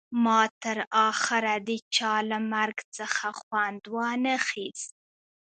ما تر اخره د چا له مرګ څخه خوند ونه خیست